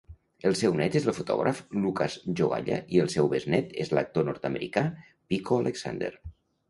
El seu net és el fotògraf Lukasz Jogalla i el seu besnet és l'actor nord-americà Pico Alexander.